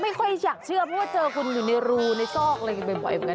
ไม่ค่อยอยากเชื่อเพราะเจอคุณอยู่ในรูในซอกอะไรอย่างนี้บ่อยกัน